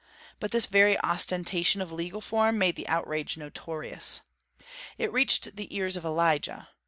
But this very ostentation of legal form made the outrage notorious. It reached the ears of Elijah.